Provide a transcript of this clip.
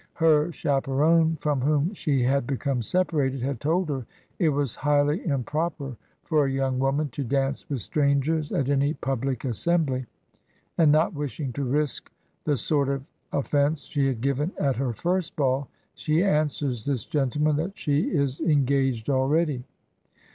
Her chaperon, from whom she had become separated, had told her " it was highly improper for a young woman to dance with strangers at any public assembly," and not wishing to risk the sort of offence she had given at her first ball, she answers this gentleman that she is en gaged already.